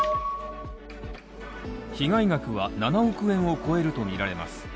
被害額は７億円を超えるとみられます。